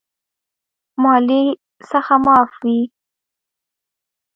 مالیې څخه معاف وي.